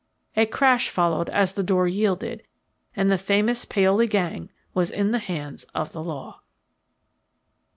A crash followed as the door yielded, and the famous Paoli gang was in the hands of the law.